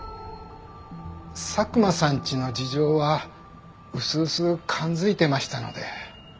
佐久間さんちの事情はうすうす感づいてましたので。